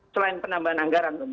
selain penambahan anggaran